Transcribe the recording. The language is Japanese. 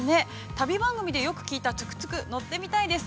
旅番組でよく聞いた、トゥクトゥク乗ってみたいです。